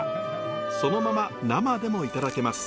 そのまま生でもいただけます。